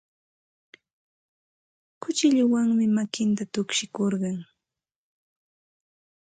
Kuchilluwanmi makinta tukshikurqun.